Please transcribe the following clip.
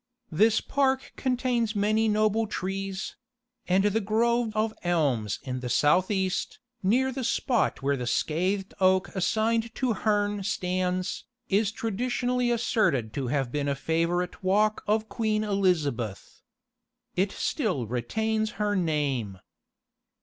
This park contains many noble trees; and the grove of elms in the south east, near the spot where the scathed oak assigned to Herne stands, is traditionally asserted to have been a favourite walk of Queen Elizabeth. It still retains her name.